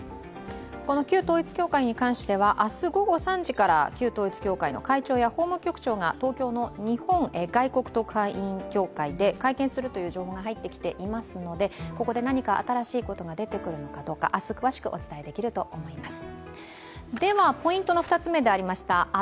この旧統一教会に関しては明日午後３時から旧統一教会の会長は法務局長の日本外国特派員協会で会見するという情報が入ってきていますのでここで何か新しいことが出てくるのか明日、詳しくお伝えできると思います。